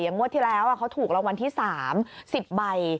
อย่างเมื่อที่แล้วเขาถูกรางวัลที่๓๑๐ใบ